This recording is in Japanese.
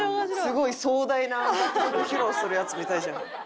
すごい壮大な楽曲披露するヤツみたいじゃない？